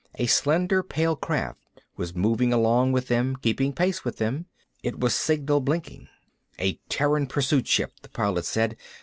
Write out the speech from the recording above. A slender pale craft was moving along with them, keeping pace with them. It was signal blinking. "A Terran pursuit ship," the Pilot said.